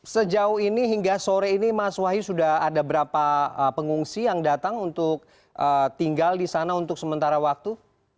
sejauh ini hingga sore ini mas wahyu sudah ada berapa pengungsi yang datang untuk tinggal di sana untuk sementara waktu